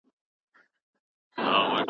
دا کار څنګه په لږ وخت کي کيدای سي؟